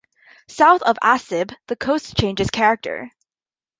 South of As Sib, the coast changes character.